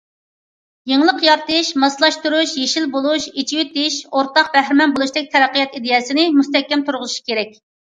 يېڭىلىق يارىتىش، ماسلاشتۇرۇش، يېشىل بولۇش، ئېچىۋېتىش، ئورتاق بەھرىمەن بولۇشتەك تەرەققىيات ئىدىيەسىنى مۇستەھكەم تۇرغۇزۇش كېرەك.